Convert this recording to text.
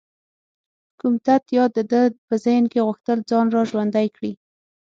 کوم تت یاد د ده په ذهن کې غوښتل ځان را ژوندی کړي.